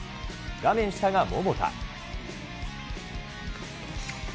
画面下が桃田。